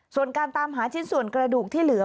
ส่วนการตามหาชิ้นส่วนกระดูกที่เหลือ